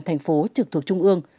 thành phố trực thuộc trung ương